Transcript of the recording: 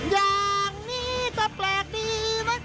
อย่างนี้ก็แปลกนี้พระครับ